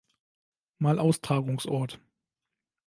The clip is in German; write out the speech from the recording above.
Mal Austragungsort.